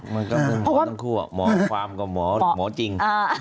มันก็เป็นหมอทั้งคู่หมอตังคู่มอบความกับหมอจริง